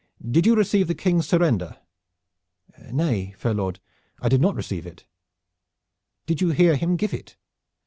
Did you receive the King's surrender?" "Nay, fair lord, I did not receive it." "Did you hear him give it?"